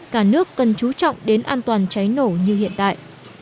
cả nước cần chú trọng đến an toàn cháy nổ như hiện tại